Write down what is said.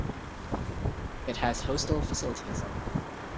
It has hostel facilities.